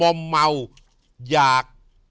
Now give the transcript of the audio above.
ม่อมเมาหยาก